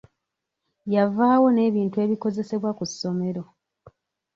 Yavaawo n'ebintu ebikozesebwa ku ssomero.